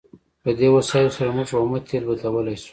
په دې وسایلو سره موږ اومه تیل بدلولی شو.